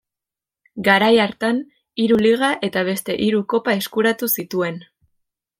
Garai hartan hiru liga eta beste hiru kopa eskuratu zituen.